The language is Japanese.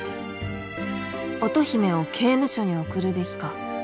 乙姫を刑務所に送るべきか。